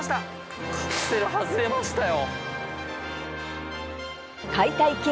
カプセル外れましたよ！